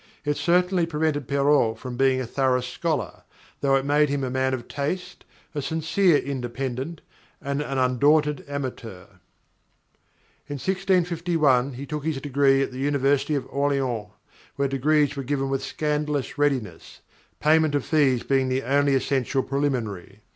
It certainly prevented Perrault from being a thorough scholar, though it made him a man of taste, a sincere independent, and an undaunted amateur._ _In 1651 he took his degree at the University of Orléans, where degrees were given with scandalous readiness, payment of fees being the only essential preliminary.